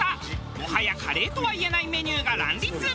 もはやカレーとはいえないメニューが乱立！